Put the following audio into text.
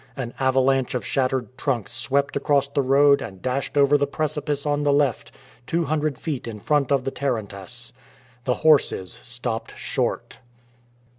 An avalanche of shattered trunks swept across the road and dashed over the precipice on the left, two hundred feet in front of the tarantass. The horses stopped short.